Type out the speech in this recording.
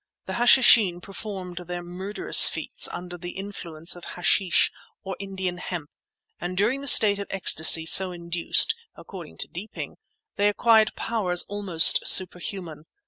The Hashishin performed their murderous feats under the influence of hashish, or Indian hemp; and during the state of ecstasy so induced, according to Deeping, they acquired powers almost superhuman.